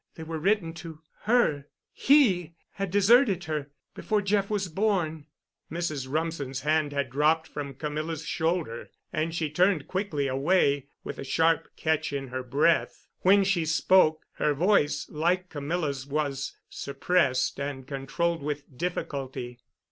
They were written to her. He had deserted her—before Jeff was born——" Mrs. Rumsen's hand had dropped from Camilla's shoulder, and she turned quickly away—with a sharp catch in her breath. When she spoke, her voice, like Camilla's, was suppressed and controlled with difficulty.